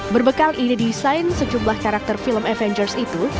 berbekal ide desain sejumlah karakter film avengers itu